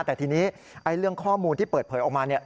แต่ทีนี้เรื่องข้อมูลที่เปิดเผยออกมาเนี่ย